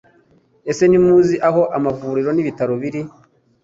Ese ntimuzi aho amavuriro n'ibitaro biri?